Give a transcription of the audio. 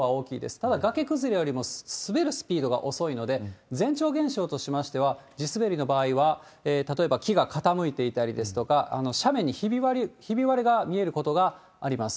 ただ、崖崩れよりも滑るスピードが遅いので、前兆現象としましては、地滑りの場合は、例えば木が傾いたりとかですとか、斜面にひび割れが見えることがあります。